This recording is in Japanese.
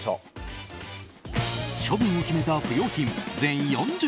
処分を決めた不要品、全４０品。